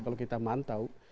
kalau kita mantau